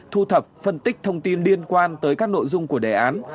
thu thập phân tích thông tin liên quan tới các nội dung của đề án